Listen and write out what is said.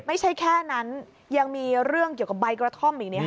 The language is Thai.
ไม่ใช่แค่นั้นยังมีเรื่องเกี่ยวกับใบกระท่อมอีกเนี่ยค่ะ